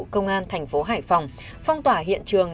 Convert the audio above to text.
công an thành phố hải phòng phong tỏa hiện trường